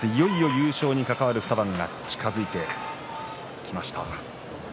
優勝に関わる２番が近づいてきました。